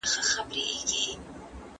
محمدشاه خان هڅه وکړه د خطر خبرداری ورکړي.